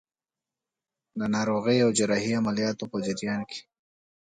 د ناروغۍ او جراحي عملیاتو په جریان کې.